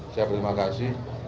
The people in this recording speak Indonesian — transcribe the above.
saya berterima kasih